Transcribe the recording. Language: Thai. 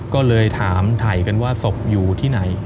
ก็เลยถามถ่ายกันว่าศพอยู่ที่ไหน